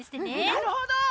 なるほど。